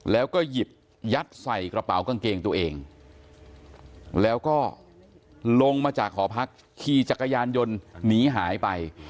แล้วก็หยิบยัดใส่กระเป๋ากางเกงตัวเองแล้วก็ลงมาจากหอพักขี่จักรยานยนต์หนีหายไป